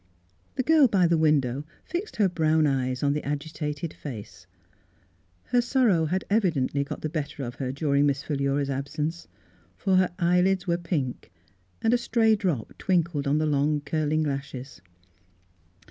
The girl by the window fixed her brown eyes on the agitated face. Her sorrow had quite evidently got the better of her during Miss Philura's absence, for her eye lids were pink and a stray drop twinkled on the long curling lashes.